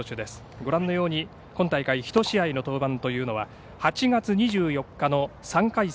ご覧のように今大会１試合の登板というのは８月２４日の３回戦。